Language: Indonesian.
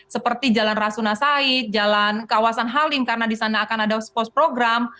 seperti jalan rasuna said jalan kawasan halim karena disana akan ada pos program